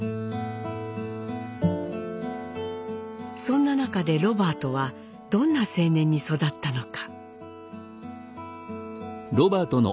そんな中でロバートはどんな青年に育ったのか。